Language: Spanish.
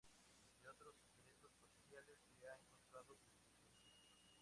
Dos otros esqueletos parciales se han encontrado desde entonces.